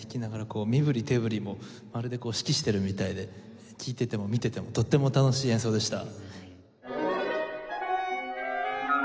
こう身ぶり手ぶりもまるで指揮しているみたいで聴いてても見ててもとっても楽しい演奏でした。